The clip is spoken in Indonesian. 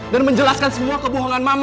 dan menjelaskan semua kebohongan mama